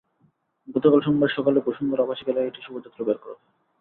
গতকাল সোমবার সকালে বসুন্ধরা আবাসিক এলাকায় একটি শোভাযাত্রা বের করা হয়।